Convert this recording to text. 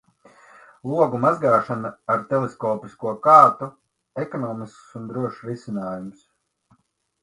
Logu mazgāšana ar teleskopisko kātu – ekonomisks un drošs risinājums.